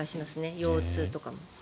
腰痛とかも。